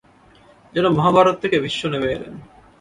যেন মহাভারত থেকে ভীষ্ম নেমে এলেন।